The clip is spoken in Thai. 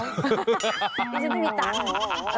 ฉันไม่มีตังค์